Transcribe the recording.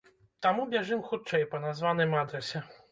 Таму бяжым хутчэй па названым адрасе.